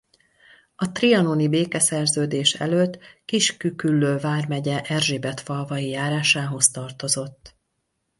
A trianoni békeszerződés előtt Kis-Küküllő vármegye Erzsébetfalvai járásához tartozott.